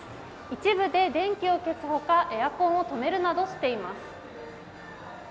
一部で電気を聞く他、エアコンを止めるなどしています。